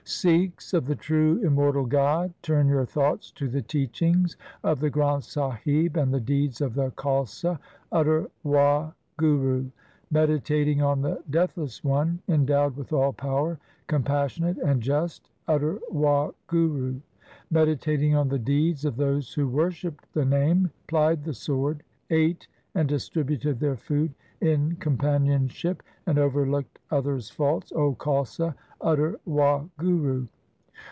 Sikhs of the true Immortal God, turn your thoughts to the teachings of the Granth Sahib and the deeds of the Khalsa ; utter Wahguru ! Meditating on the Deathless One, endowed with all power, compassionate, and just, utter Wahguru ! Meditating on the deeds of those who worshipped the Name, plied the sword, ate and distributed their food in companionship, and overlooked others' faults, O Khalsa, utter Wahguru